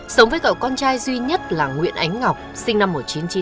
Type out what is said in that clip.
sống với cậu con trai duy nhất là nguyễn ánh ngọc sinh năm một nghìn chín trăm chín mươi